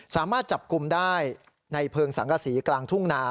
สามารถจับกลุ่มได้ในเพลิงสังกษีกลางทุ่งนา